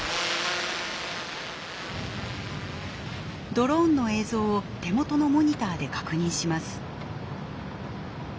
ドローンの映像を手元のモニターで確認します。